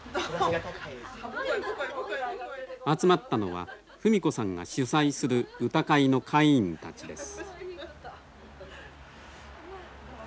集まったのは布美子さんが主宰する歌会の会員たちです。